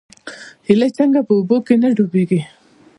هیلۍ څنګه په اوبو کې نه ډوبیږي؟